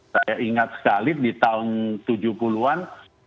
saya ingat sekali di tahun tujuh puluh an